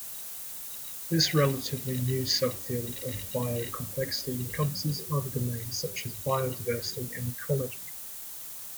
This relatively new subfield of biocomplexity encompasses other domains such as biodiversity and ecology.